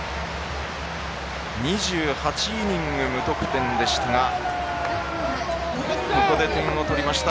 ２８イニング無得点でしたがここで点を取りました。